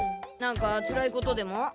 何かつらいことでも？